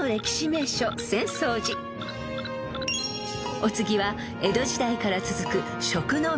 ［お次は江戸時代から続く食の名店へ］